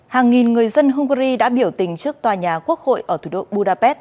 hàng nghìn người dân hungary đã biểu tình trước tòa nhà quốc hội ở thủ đô budapest